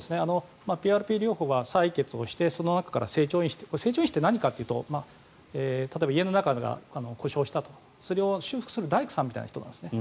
ＰＲＰ療法は採血してその中から正常因子正常因子って何かというと例えば家の中が故障したと、それを修復する大工さんみたいな人なんですね。